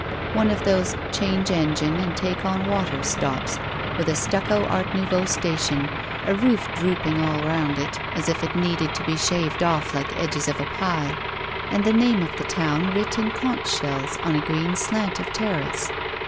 One of those change engine and take on water stops with a stucco art nouveau station, a roof drooping all rotmd it, as if it needed to be shaved oE like edges of a pie, and the name of the town writ in conch shells on a green slant of terrace.